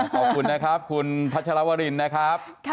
ขอบคุณนะครับคุณพัชรวรินนะครับ